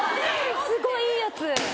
すごいいいやつ。